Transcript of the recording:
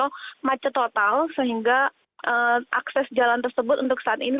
atau macet total sehingga akses jalan tersebut untuk saat ini